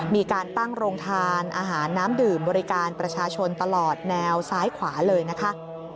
มีการตั้งโรงทานอาหารน้ำดื่มบริการประชาชนตลอดแนวซ้ายขวาเลยนะคะ